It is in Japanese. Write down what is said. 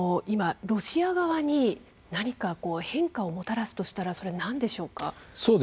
今、ロシア側に何か変化をもたらすとしたらそれはなんでしょうか。